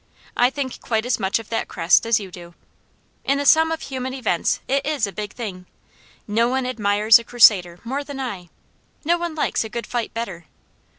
I think quite as much of that crest as you do. In the sum of human events, it is a big thing. No one admires a Crusader more than I. No one likes a good fight better.